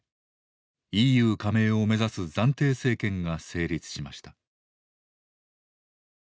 ＥＵ加盟を目指す暫定政権が成立しました。